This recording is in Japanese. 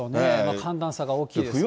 寒暖差が大きいですよね。